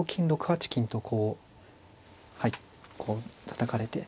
６八金とこうはいこうたたかれて。